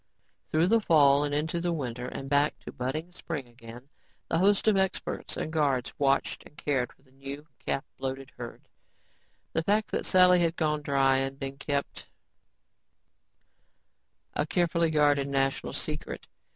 Through the fall, into the long winter and back to budding spring again, the host of experts and guards watched and cared for the new calf bloated herd. The fact that Sally had gone dry had been kept a carefully guarded national secret.